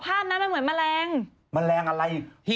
หิ่งห้อยเป็นใหญ่กว่านี้